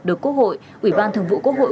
được quốc hội ủy ban thường vụ quốc hội